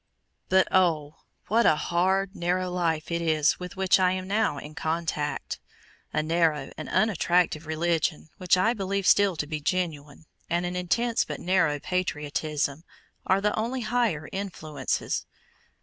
But oh! what a hard, narrow life it is with which I am now in contact! A narrow and unattractive religion, which I believe still to be genuine, and an intense but narrow patriotism, are the only higher influences.